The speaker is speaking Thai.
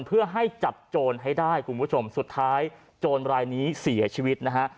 เพื่อให้จับโจรให้ได้คุณผู้ชมสุดท้ายโจรรายนี้เสียชีวิตนะฮะ